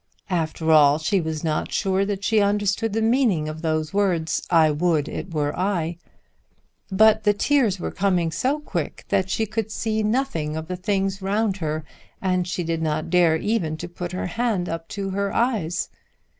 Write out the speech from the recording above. After all she was not sure that she understood the meaning of those words "I would it were I." But the tears were coming so quick that she could see nothing of the things around her, and she did not dare even to put her hand up to her eyes.